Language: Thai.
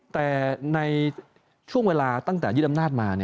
แต่ในช่วงเวลาตั้งแต่ยึดอำนาจมา